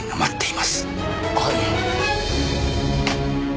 はい。